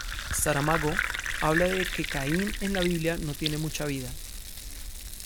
Saramago habla de que Caín en la Biblia no tiene mucha vida.